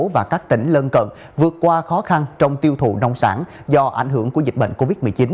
và các tỉnh lân cận vượt qua khó khăn trong tiêu thụ nông sản do ảnh hưởng của dịch bệnh covid một mươi chín